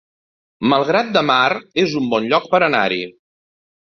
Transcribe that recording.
Malgrat de Mar es un bon lloc per anar-hi